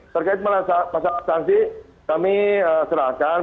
terkait masalah sanksi kami serahkan